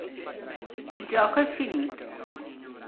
Il gioco è finito!